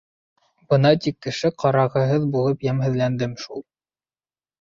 Бына тик кеше ҡарағыһыҙ булып йәмһеҙләндем шул.